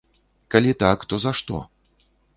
Калі так, то за што?